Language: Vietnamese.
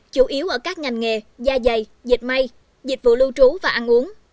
chủ yếu ở các ngành nghề gia dày dịch may dịch vụ lưu trú và ăn uống